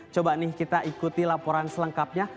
coba nih kita ikuti laporan selengkapnya